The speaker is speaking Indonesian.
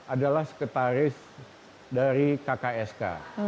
adalah sekretaris dari kksk